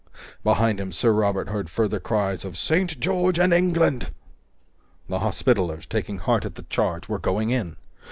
Behind him, Sir Robert heard further cries of "St. George and England!" The Hospitallers, taking heart at the charge, were going in!